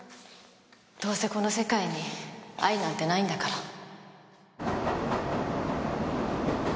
どうせこの世界に愛なんてないんだから。